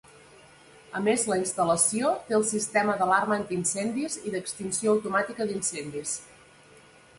A més, la instal·lació té el sistema d'alarma antiincendis i d'extinció automàtica d'incendis.